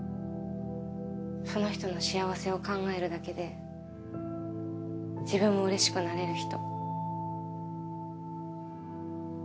その人の幸せを考えるだけで自分もうれしくなれる人。